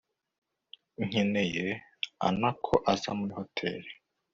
nkeneye ,ana ko aza kuri hotel